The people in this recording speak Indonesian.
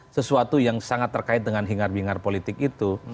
sesuatu yang sangat terkait dengan hingar bingar politik itu